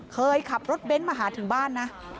เคยขับรถเบ้นมาหาถึงบ้านนะ